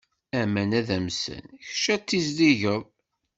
Aman ad amsen, kečč ad tizdigeḍ.